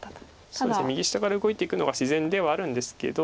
そうですね右下から動いていくのが自然ではあるんですけど。